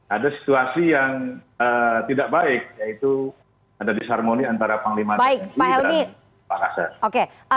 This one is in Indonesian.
ada situasi yang tidak baik yaitu ada disharmoni antara panglima tni dan pak kasat